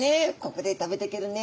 ここで食べていけるね